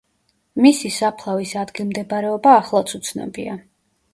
მისი საფლავის ადგილმდებარეობა ახლაც ცნობილია.